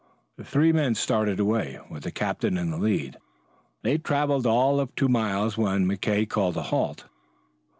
The three men started away, with the captain in the lead. They traveled all of two miles when McKay called a halt.